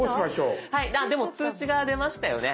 でも通知が出ましたよね。